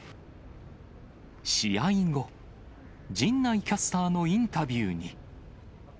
試合後、陣内キャスターのインタビューに。